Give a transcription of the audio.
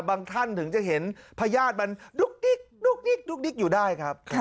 บางท่านถึงจะเห็นพญาติมันดุ๊กดิ๊กอยู่ได้ครับ